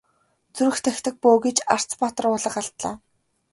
Зүрх тахидаг бөө гэж Арц баатар уулга алдлаа.